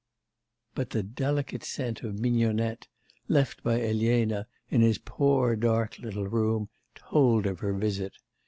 But the delicate scent of mignonette left by Elena in his poor dark little room told of her visit.